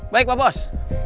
baik pak bos